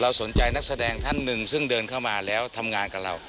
สนใจนักแสดงท่านหนึ่งซึ่งเดินเข้ามาแล้วทำงานกับเรา